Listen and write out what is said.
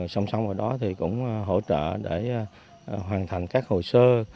xong xong vào đó thì cũng hỗ trợ để hoàn thành các hồ sơ